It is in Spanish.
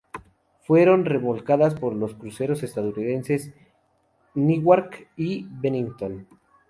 Fueron remolcadas por los cruceros estadounidenses "Newark" y "Bennington".